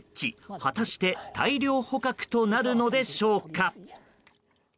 果たして大量捕獲となるのでしょうか。